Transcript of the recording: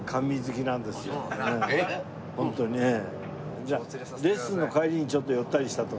じゃあレッスンの帰りにちょっと寄ったりした所？